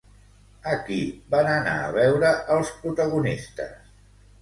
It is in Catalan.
A qui van anar a veure els protagonistes?